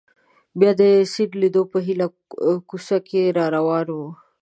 بیا د سیند لیدو په هیله کوڅه کې را روان وو.